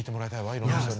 いろんな人に。